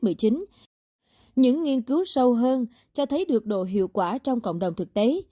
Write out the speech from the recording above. và các nghiên cứu sâu hơn cho thấy được độ hiệu quả trong cộng đồng thực tế